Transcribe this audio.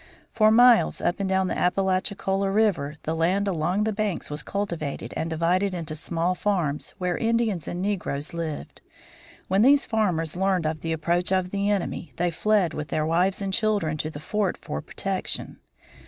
For miles up and down the Appalachicola River the land along the banks was cultivated and divided into small farms, where Indians and negroes lived. When these farmers learned of the approach of the enemy they fled with their wives and children to the fort for protection.